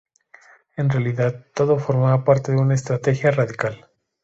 En realidad, todo formaba parte de una estrategia radical.